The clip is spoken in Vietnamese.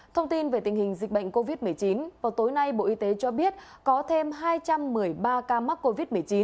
thông tin về tình hình dịch bệnh covid một mươi chín vào tối nay bộ y tế cho biết có thêm hai trăm một mươi ba ca mắc covid một mươi chín